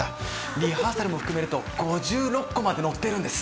リハーサルも含めると５６個まで乗ってるんです。